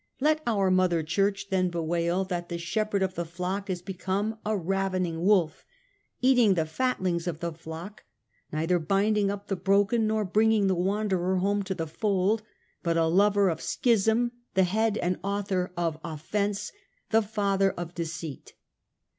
Let our Mother Church then bewail that the shepherd of the flock is become a ravening wolf, eating the fallings of the flock ; neither binding up the broken, nor bringing the wanderer home to the fold ; but a lover of schism, the head and author of offence, the father of deceit.